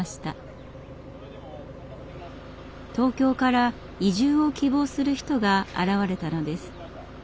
東京から移住を希望する人が現れたのです。